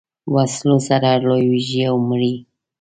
وسلو سره رالویېږي او مري.